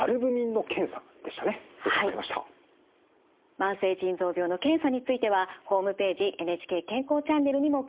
慢性腎臓病の検査についてはホームページ「ＮＨＫ健康チャンネル」にも詳しく掲載されています。